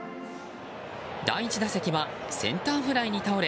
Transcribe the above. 第１打席はセンターフライに倒れ